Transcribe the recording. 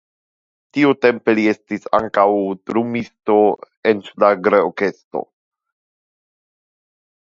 Tiutempe li estis ankaŭ drumisto en ŝlagrorkestro.